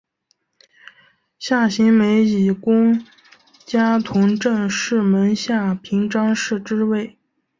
夏行美以功加同政事门下平章事之位。